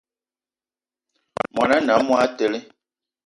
Món ané a monatele